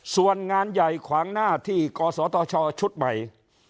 ส่วนงานใหญ่ขวางหน้าที่กศตชชุดใหม่